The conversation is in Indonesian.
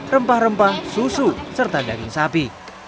rempah rempah susu serta daging sapi